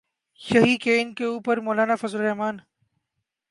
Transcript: ہی، ان کے اوپر مولانا فضل الرحمن۔